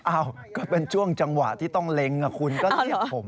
อ้าวก็เป็นช่วงจังหวะที่ต้องเล็งคุณก็เรียกผม